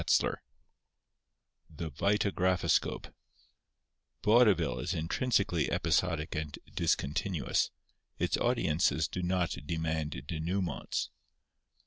XVIII THE VITAGRAPHOSCOPE Vaudeville is intrinsically episodic and discontinuous. Its audiences do not demand dénouements.